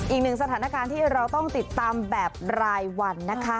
อีกหนึ่งสถานการณ์ที่เราต้องติดตามแบบรายวันนะคะ